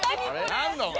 何だお前。